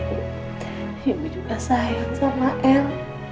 ibu juga sayang sama l